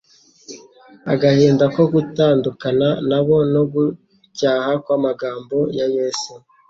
Agahinda ko gutandukana na bo no gucyaha kw'amagambo ya Yesu